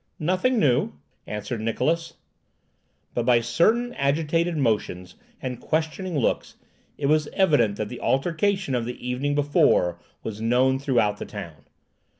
"Nothing new," answered Niklausse. But by certain agitated motions and questioning looks, it was evident that the altercation of the evening before was known throughout the town.